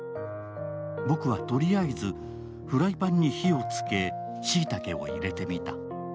僕はとりあえずフライパンに火をつけ、椎茸を入れてみた。